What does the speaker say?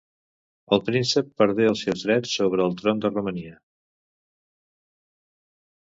El príncep perdé els seus drets sobre el tron de Romania.